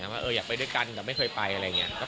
ว่าอยากไปด้วยกันแต่ไม่เคยไปอะไรอย่างนี้